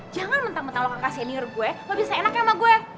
jangan mentang mentang lo kakak senior gue lo bisa seenaknya sama gue